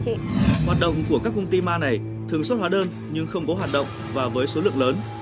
hoạt động của các công ty ma này thường xuất hóa đơn nhưng không có hoạt động và với số lượng lớn